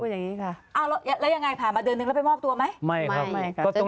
พูดยังไงผ่านมาเดือนนึงแล้วไปมอบตัวไหม